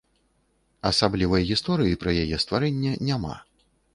Асаблівай гісторыі пра яе стварэнне няма.